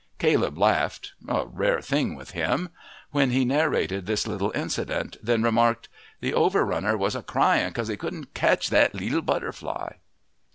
Caleb laughed (a rare thing with him) when he narrated this little incident, then remarked: "The over runner was a crying 'cause he couldn't catch that leetel butterfly."